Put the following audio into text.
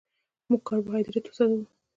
موږ کاربوهایډریټ سوځوو